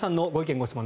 ・ご質問